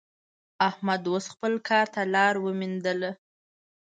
احمد اوس خپل کار ته لاره ومېندله.